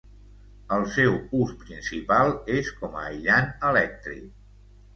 El seu ús principal és com a aïllant elèctric.